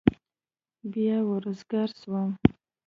بيا وزگار سوم.